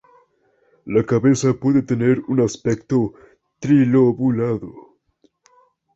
La cabeza puede tener un aspecto trilobulado.